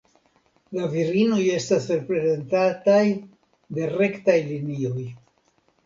La virinoj estas representataj de rektaj linioj.